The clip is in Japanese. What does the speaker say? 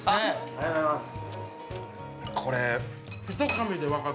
◆ありがとうございます。